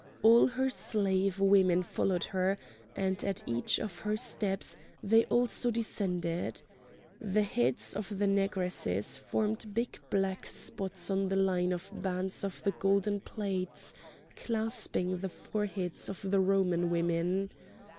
All her slave women followed her; and, at each of her steps, they also descended. The heads of the Negresses formed big black spots on the line of the bands of the golden plates clasping the foreheads of the Roman women.